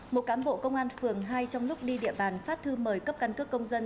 một cám bộ công an phường hai trong lúc đi địa bàn phát thư mời cấp căn cước công dân